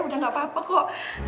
udah gapapa kok